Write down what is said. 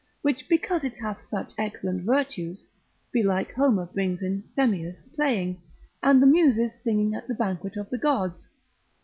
Which because it hath such excellent virtues, belike Homer brings in Phemius playing, and the Muses singing at the banquet of the gods.